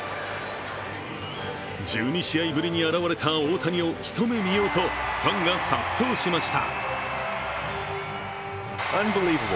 １２試合ぶりに現れた大谷を一目見ようと、ファンが殺到しました。